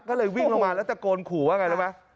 ก็เลยวิ่งลงมาแล้วตะโกนขู่ว่าไงรู้ไหม